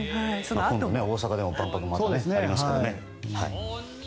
今度、大阪でも万博がありますけどね。